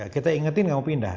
kita ingetin gak mau pindah